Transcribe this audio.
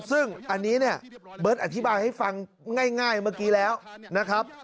ซึ่งอันนี้เนี่ยเบิร์ตอธิบายให้ฟังง่ายเมื่อกี้แล้วนะครับ